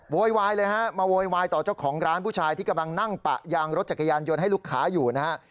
โวยวายเลยฮะมาโวยวายต่อเจ้าของร้านผู้ชายที่กำลังนั่งปะยางรถจักรยานยนต์ให้ลูกค้าอยู่นะฮะ